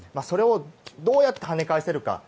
それをどうやって跳ね返せるか。